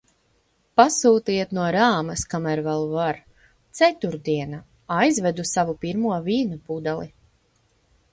Pasūtiet no Rāmas, kamēr vēl var! Ceturtdiena. Aizvedu savu pirmo vīna pudeli.